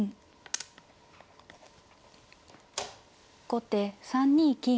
後手３二金。